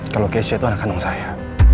kalau keisha itu anak kandung saya